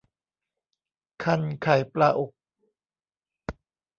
ครรภ์ไข่ปลาอุก